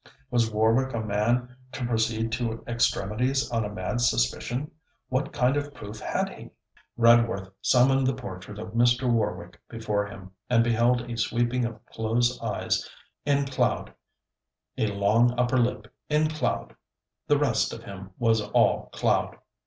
Was Warwick a man to proceed to extremities on a mad suspicion? What kind of proof had he? Redworth summoned the portrait of Mr. Warwick before him, and beheld a sweeping of close eyes in cloud, a long upper lip in cloud; the rest of him was all cloud.